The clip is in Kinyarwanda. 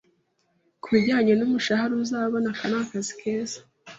Kubijyanye n'umushahara uzabona, aka ni akazi keza?